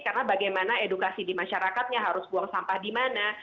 karena bagaimana edukasi di masyarakatnya harus buang sampah di mana